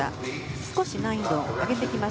少し難易度を上げてきます。